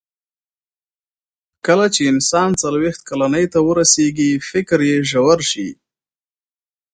کله چې انسان څلوېښت کلنۍ ته ورسیږي، فکر یې ژور شي.